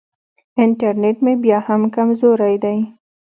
انټرنېټ مې بیا هم کمزوری دی.